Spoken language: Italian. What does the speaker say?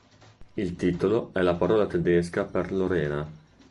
Il titolo è la parola tedesca per Lorena.